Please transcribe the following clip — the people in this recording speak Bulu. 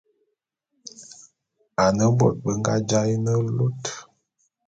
Ane bôt be nga jaé ne lut.